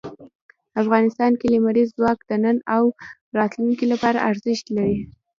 افغانستان کې لمریز ځواک د نن او راتلونکي لپاره ارزښت لري.